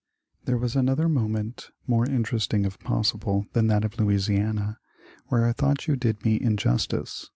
There was another moment more interesting if possible than that of Louisiana, where I thought you did me. injustice.